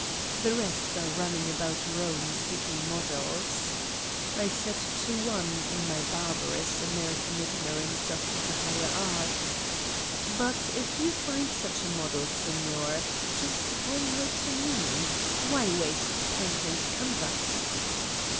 The rest are running about Eome seeking models. I said to one, in my barbarous, American ignorance of the higher arts : "But if you find such a model, Signor, just bring her to me. Why waste paint and canvas